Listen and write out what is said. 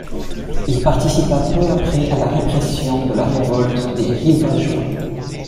Il participa peu après à la répression de la révolte des Rivageois.